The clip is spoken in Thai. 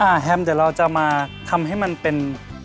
แฮมเดี๋ยวเราจะมาทำให้มันเป็น